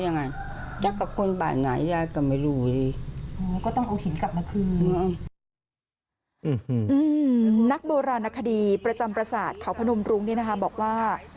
นักโบราณหน้าคดีประจำประสาทเขาพนมรุงนะคะบอกว่า